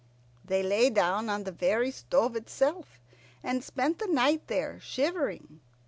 They lay down on the very stove itself, and spent the night there, shivering.